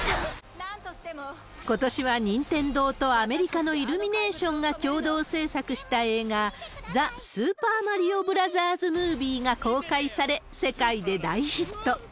ことしは任天堂とアメリカのイルミネーションが共同制作した映画、ザ・スーパーマリオブラザーズ・ムービーが公開され、世界で大ヒット。